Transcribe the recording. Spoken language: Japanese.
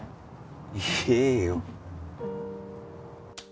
言えよ。